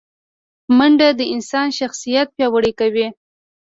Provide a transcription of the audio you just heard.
منډه د انسان شخصیت پیاوړی کوي